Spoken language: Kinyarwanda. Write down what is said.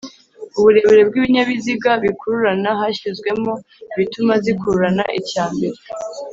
uburebure bw ibinyabiziga bikururana hashyizwemo ibituma zikururana icya mbere